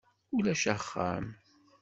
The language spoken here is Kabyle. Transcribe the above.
Ulac axxam.